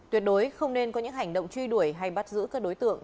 tuyệt đối không nên có những hành động truy đuổi hay bắt giữ các đối tượng